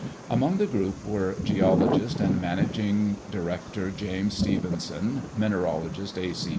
Among the group were geologist and managing director James Stevenson, mineralogist A.